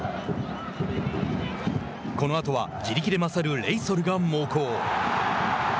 このあとは地力で勝るレイソルが猛攻。